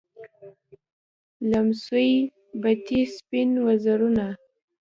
لمسوي بتې سپین وزرونه